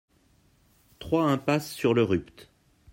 trois impasse sur le Rupt